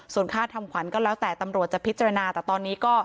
ส่วนค่าทำขวัญก็แล้วแต่ตำรวจจะพิจารณาแต่ตอนนี้ก็